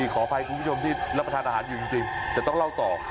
ขออภัยคุณผู้ชมที่รับประทานอาหารอยู่จริงแต่ต้องเล่าต่อ